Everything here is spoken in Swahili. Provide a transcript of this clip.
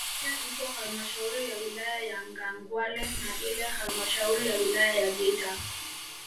Pia ipo halmashauri ya wilaya ya Nyangwale na ile halmashauri ya wilaya ya Geita